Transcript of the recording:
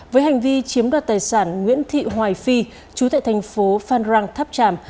với hành vi chiếm đoạt tài sản nguyễn thị hoài phi chú tại thành phố phan rang tháp tràm